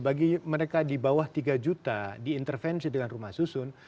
bagi mereka di bawah tiga juta diintervensi dengan rumah susun